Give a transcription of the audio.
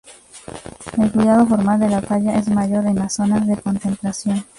El cuidado formal de la talla es mayor en las zonas de contemplación.